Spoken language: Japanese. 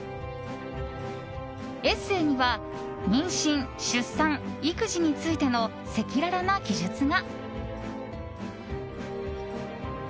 エッセーには、妊娠、出産育児についての赤裸々な記述が。